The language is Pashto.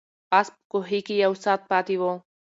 آس په کوهي کې یو ساعت پاتې و.